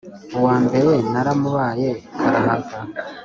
uwa mbere naramubaye karahava,